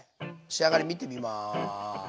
仕上がり見てみます。